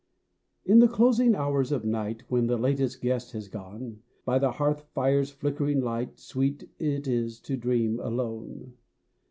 In the closing hours of night, When the latest guest has gone, By the hearth fire's flickering light Sweet it is to dream alone.